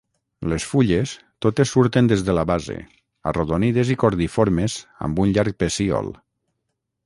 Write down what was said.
Les fulles totes surten des de la base, arrodonides i cordiformes amb un llarg pecíol.